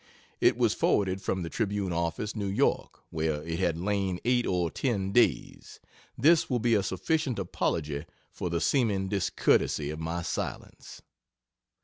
It was forwarded from the Tribune office, New York, where it had lain eight or ten days. This will be a sufficient apology for the seeming discourtesy of my silence.